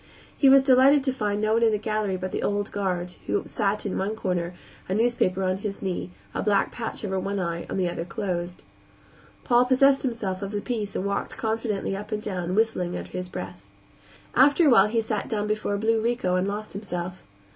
He was delighted to find no one in the gallery but the old guard, who sat in one corner, a newspaper on his knee, a black patch over one eye and the other closed. Paul possessed himself of the peace and walked confidently up and down, whistling under his breath. After a while he sat down before a blue Rico and lost himself.